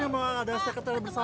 apakah akan dibahas juga dari sini